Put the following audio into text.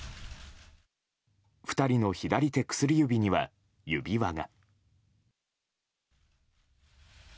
２人の左手薬指には、指輪が。